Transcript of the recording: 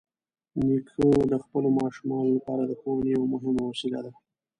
نیکه د خپلو ماشومانو لپاره د ښوونې یوه مهمه وسیله ده.